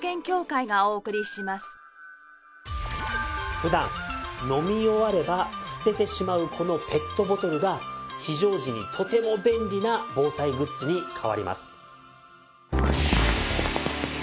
普段飲み終われば捨ててしまうこのペットボトルが非常時にとても便利な防災グッズに変わります。